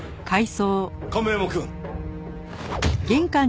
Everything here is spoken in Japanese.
亀山くん！